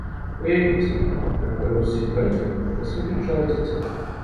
Уявіце, каб пры ўсім гэтым прысутнічала дзіця!